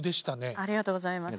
ありがとうございます。